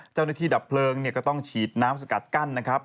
เจ้าหน้าที่ดับเพลิงก็ต้องฉีดน้ำสกัดกั้นนะครับ